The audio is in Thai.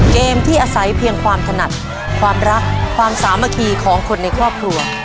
เกมที่อาศัยเพียงความถนัดความรักความสามัคคีของคนในครอบครัว